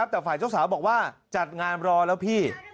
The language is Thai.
แต่ฝ่ายเจ้าสาวบอกว่าจัดงานรอแล้วพี่